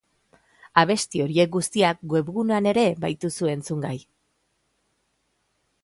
Abesti horiek guztiak webgunean ere baituzue entzungai.